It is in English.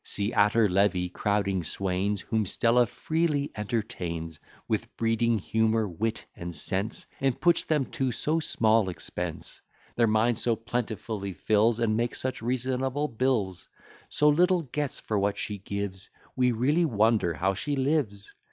See, at her levee crowding swains, Whom Stella freely entertains With breeding, humour, wit, and sense, And puts them to so small expense; Their minds so plentifully fills, And makes such reasonable bills, So little gets for what she gives, We really wonder how she lives!